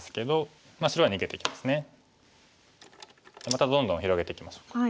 またどんどん広げていきましょうか。